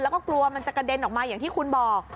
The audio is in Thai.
แล้วก็กลัวมันจะกระเด็นออกมาอย่างที่คุณบอก